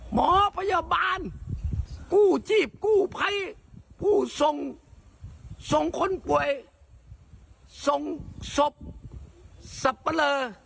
หมอพยาบาลกู้ชีพกู้ภัยผู้ส่งส่งคนป่วยส่งศพสับปะเลอ